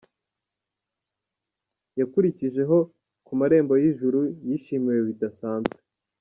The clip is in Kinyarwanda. Yakurikijeho “Ku marembo y’ijuru” yishimiwe bidasanzwe.